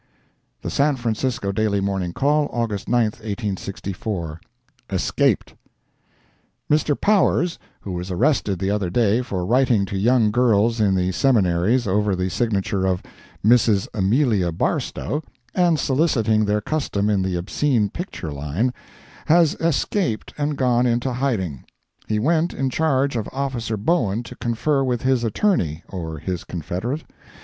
The San Francisco Daily Morning Call, August 9, 1864 ESCAPED Mr. Powers, who was arrested the other day for writing to young girls in the seminaries over the signature of "Mrs. Amelia Barstow," and soliciting their custom in the obscene picture line, has escaped and gone into hiding. He went in charge of officer Bowen to confer with his "attorney" (or his confederate?)